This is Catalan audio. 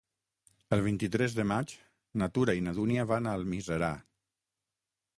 El vint-i-tres de maig na Tura i na Dúnia van a Almiserà.